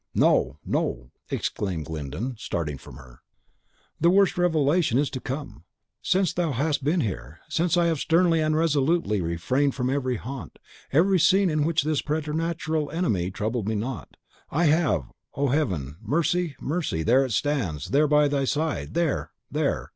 "No, no!" exclaimed Glyndon, starting from her. "The worst revelation is to come. Since thou hast been here, since I have sternly and resolutely refrained from every haunt, every scene in which this preternatural enemy troubled me not, I I have Oh, Heaven! Mercy mercy! There it stands, there, by thy side, there, there!"